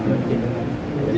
lelang semua ya